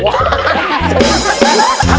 ทำแบบนี้ครับ